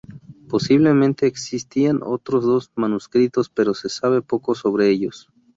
Posiblemente existían otros dos manuscritos pero se sabe poco sobre ellos.